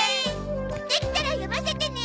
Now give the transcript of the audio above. できたら読ませてね。